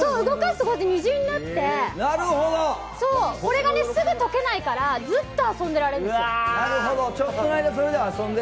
動かすと、虹になって、これがすぐ溶けないから、ずっと遊んでられるんです。